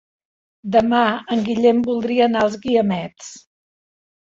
Demà en Guillem voldria anar als Guiamets.